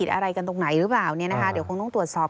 ส่วนรถที่นายสอนชัยขับอยู่ระหว่างการรอให้ตำรวจสอบ